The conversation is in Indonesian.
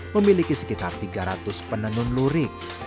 memiliki sekitar tiga ratus penenun lurik